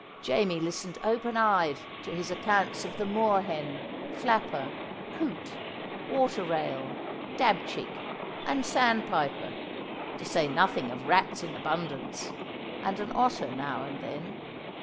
Jamie listened open eyed to his accounts of the moor hen, flapper, coot, water rail, dab chick, and sand piper, to say nothing of rats in abundance, and an otter now and then.